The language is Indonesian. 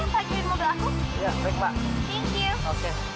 kamu mau nyempet ke mobil aku